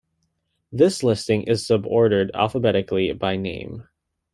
This listing is subordered alphabetically by name.